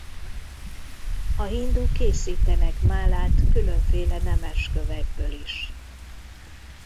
A hinduk készítenek málát különféle nemes kövekből is.